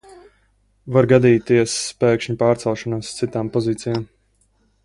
Var gadīties pēkšņa pārcelšanās uz citām pozīcijām.